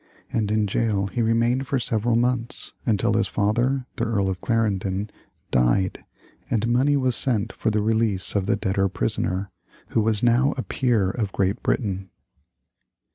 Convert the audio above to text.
And in jail he remained for several months, until his father, the Earl of Clarendon, died, and money was sent for the release of the debtor prisoner, who was now a peer of Great Britain.